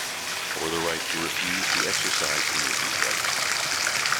Or the right to refuse to exercise any of these rights.